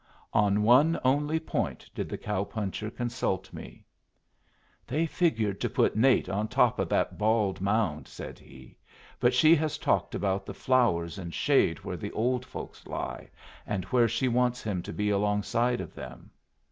On one only point did the cow puncher consult me. "They figured to put Nate on top of that bald mound," said he. "But she has talked about the flowers and shade where the old folks lie, and where she wants him to be alongside of them.